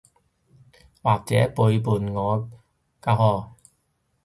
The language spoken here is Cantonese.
或者背叛我㗎嗬？